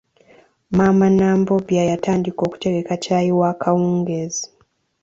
Maama Nambobya yatandika okutegeka caayi wa kawungeezi.